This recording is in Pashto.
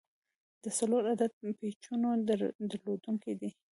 د څلور عدده پیچونو درلودونکی دی.